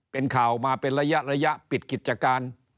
เป็นข่าวมาเป็นระยะระยะปิดกิจการ